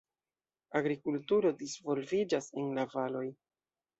Agrikulturo disvolviĝas en la valoj.